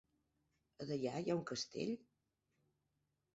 A Deià hi ha un castell?